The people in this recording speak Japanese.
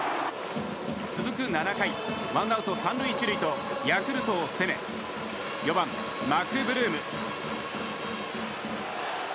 続く７回、１アウト３塁１塁とヤクルトを攻め４番、マクブルーム。